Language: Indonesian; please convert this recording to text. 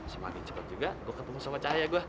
semakin cepat juga gue ketemu sama cahaya gue